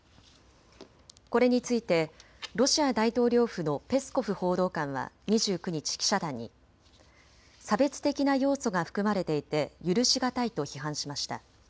これについてロシア大統領府のペスコフ報道官は２９日、記者団に差別的な要素が含まれていて許し難いと批判しました。